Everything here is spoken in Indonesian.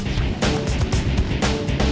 pun apa sih jujur sadis